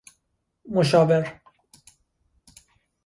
مشاور